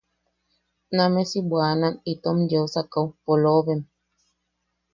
Nameʼe si bwanan itom yeu sakaʼu. ¡Poloobem!